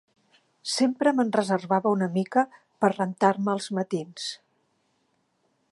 Sempre me'n reservava una mica per rentar-me als matins